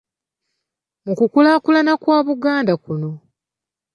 Mu kukulaakulana kwa Buganda kuno.